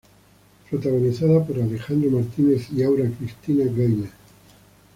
Protagonizada por Alejandro Martínez y Aura Cristina Geithner.